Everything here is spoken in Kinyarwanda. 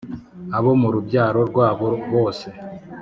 Abo mu rubyaro rwabo bose